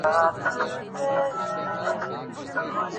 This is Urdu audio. سرزمین ہے